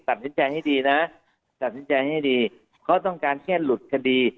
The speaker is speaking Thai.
ตัดสินใจให้ดีนะตัดสินใจให้ดีเขาต้องการแค่หลุดคดี